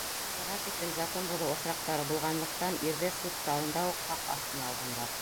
Быға тиклем закон боҙоу осраҡтары булғанлыҡтан, ирҙе суд залында уҡ һаҡ аҫтына алғандар.